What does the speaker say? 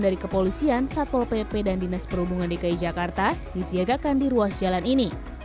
dari kepolisian satpol pp dan dinas perhubungan dki jakarta disiagakan di ruas jalan ini